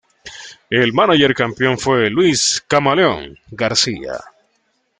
El mánager campeón fue Luis "Camaleón" García.